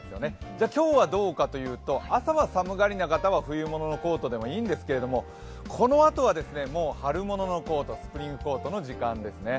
じゃあ、今日はどうかというと、朝は寒がりな方は冬物のコートでもいいんですけど、このあとは、もう春物のコートスプリングコートの時間ですね。